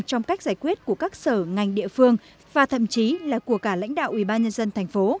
trong cách giải quyết của các sở ngành địa phương và thậm chí là của cả lãnh đạo ubnd tp